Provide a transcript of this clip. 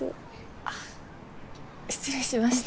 あ失礼しました。